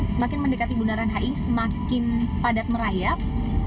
semakin mendekati bundaran hi semakin padat merayap